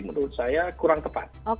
menurut saya kurang tepat